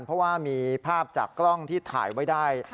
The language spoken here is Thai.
เพราะว่ามีภาพจากกล้องที่ถ่ายไว้ได้